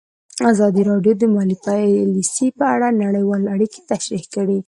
ازادي راډیو د مالي پالیسي په اړه نړیوالې اړیکې تشریح کړي.